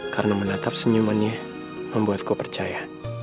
karena menatap senyumannya membuatku percaya